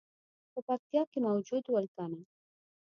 په پکتیا کې موجود ول کنه.